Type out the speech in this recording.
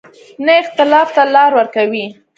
نه اختلاف ته لار ورکوي.